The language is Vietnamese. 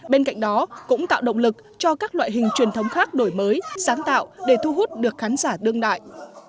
bên cạnh đó cũng tạo động lực cho các loại hình truyền thống khác đổi mới sáng tạo để thu hút được khán giả đương đại